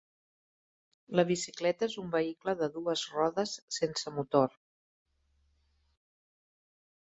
La bicicleta és un vehicle de dues rodes sense motor.